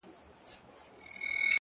هره موخه د تمرین غوښتنه لري